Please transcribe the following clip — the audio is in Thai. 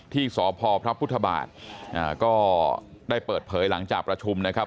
ที่สพพระพุทธบาทก็ได้เปิดเผยหลังจากประชุมนะครับ